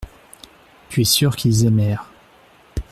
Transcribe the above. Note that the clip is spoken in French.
Tu es sûr qu’ils aimèrent.